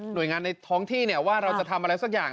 โดยงานในท้องที่ว่าเราจะทำอะไรสักอย่าง